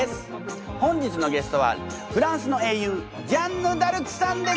本日のゲストはフランスの英雄ジャンヌ・ダルクさんです！